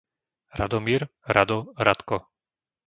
Radomír, Rado, Radko